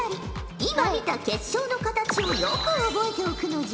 今見た結晶の形をよく覚えておくのじゃ。